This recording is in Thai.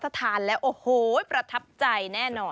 ถ้าทานแล้วโอ้โหประทับใจแน่นอน